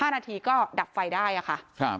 ๕นาทีก็ดับไฟได้ค่ะ